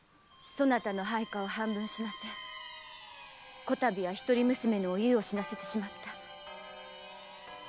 そなたの配下を半分死なせ此度は一人娘のおゆうを死なせてしまった。